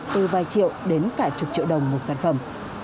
từ vài triệu đến cả chục triệu đồng một sản phẩm